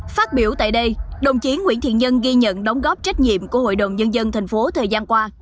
phát biểu tại đây đồng chí nguyễn thiện nhân ghi nhận đóng góp trách nhiệm của hội đồng nhân dân thành phố thời gian qua